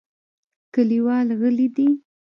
کلیوال غلي دي .